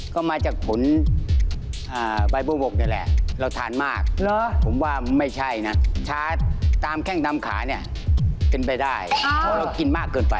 ก็มาจากผลใบบัวบกนี่แหละ